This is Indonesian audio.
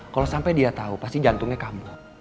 kalau sampai dia tahu pasti jantungnya kambuh